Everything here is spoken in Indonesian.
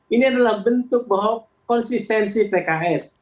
ini adalah bentuk bahwa konsistensi pks